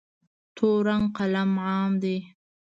تور رنګ قلم عام دی.